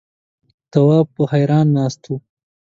تواب په حيرت ناست و.